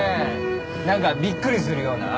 何かびっくりするような。